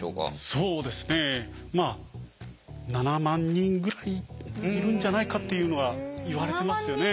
そうですねまあ７万人ぐらいいるんじゃないかっていうのはいわれてますよね。